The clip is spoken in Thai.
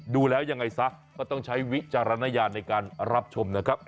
ดูแล้วยังไงซะก็ต้องใช้วิจารณญาณในการรับชมนะครับ